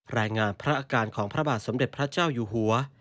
รายงานพระอาการของพระบาทสมเด็จพระเจ้าอยู่หัว